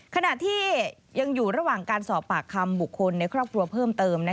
ขณะที่ยังอยู่ระหว่างการสอบปากคำบุคคลในครอบครัวเพิ่มเติม